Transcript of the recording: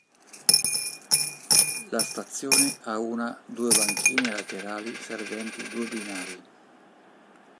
La stazione ha una due banchine laterali serventi due binari.